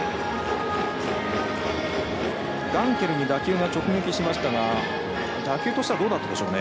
ガンケルに打球が直撃しましたが打球としてはどうだったんでしょうね。